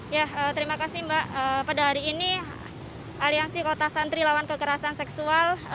ya terima kasih mbak pada hari ini aliansi kota santri lawan kekerasan seksual